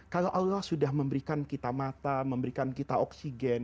kalau allah sudah memberikan kita mata memberikan kita oksigen